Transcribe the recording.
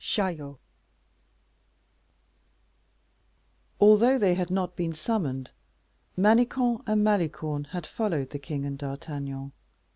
Chaillot. Although they had not been summoned, Manicamp and Malicorne had followed the king and D'Artagnan.